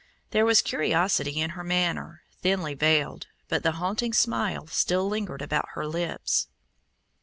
There was curiosity in her manner, thinly veiled, but the haunting smile still lingered about her lips.